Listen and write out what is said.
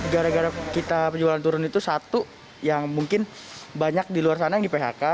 gara gara kita penjualan turun itu satu yang mungkin banyak di luar sana yang di phk